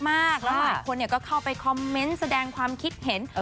แล้วหลายคนก็เข้าไปคอมเมนต์แสดงความคิดเห็น